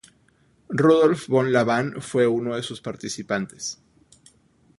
Rudolf von Lavan fue uno de sus participantes.